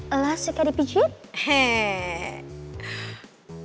elah suka dipijit